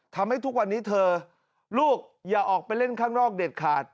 ทุกวันนี้เธอลูกอย่าออกไปเล่นข้างนอกเด็ดขาด